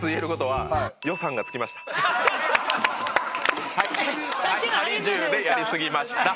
「はり重」でやり過ぎました。